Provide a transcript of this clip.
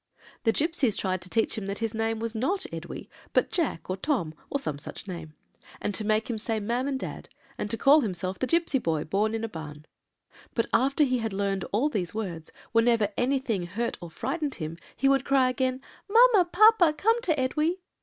The gipsies tried to teach him that his name was not Edwy, but Jack or Tom, or some such name; and to make him say mam and dad, and call himself the gipsy boy, born in a barn. But after he had learned all these words, whenever anything hurt or frightened him, he would cry again, 'Mamma! papa! come to Edwy.'